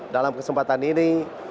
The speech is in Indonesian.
dalam kesempatan ini